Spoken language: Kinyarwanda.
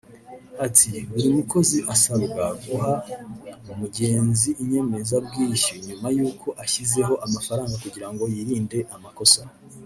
Ati “Buri mukozi asabwa guha umugenzi inyemezabwishyu nyuma y’uko ashyizeho amafaranga kugira ngo yirinde amakosa